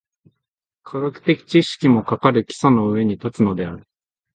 科学的知識も、かかる基礎の上に立つのである。